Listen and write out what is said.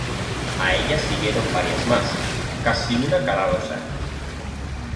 A ella siguieron varias más, casi una cada dos años.